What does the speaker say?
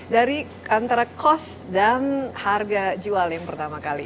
dari antara cost dan harga jual yang pertama kali